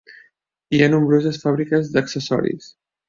Hi ha nombroses fàbriques d'accessoris.